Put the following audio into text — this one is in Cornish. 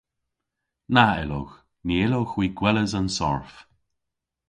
Na yllowgh. Ny yllowgh hwi gweles an sarf.